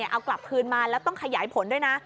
เอากลับคืนมาแล้วต้องขยายผลด้วยนะ